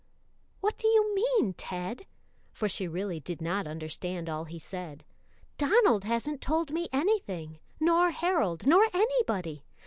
"What do you mean. Ted?" for she really did not understand all he said. "Donald hasn't told me anything, nor Harold, nor anybody.